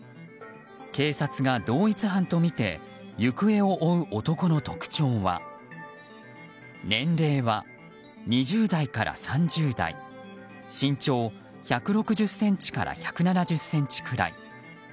警察が同一犯とみて行方を追う男の特徴は年齢は２０代から３０代身長１６０ｃｍから１７０ｃｍくらい。